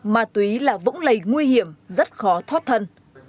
ma túy là vũng lầy nguy hiểm rất khó thoát thân